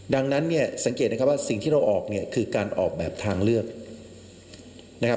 ดังนั้นสังเกตว่าสิ่งที่เราออกคือการออกแบบทางเลือก